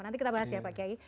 nanti kita bahas ya pak kiai